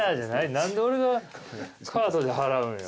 何で俺がカードで払うんよ。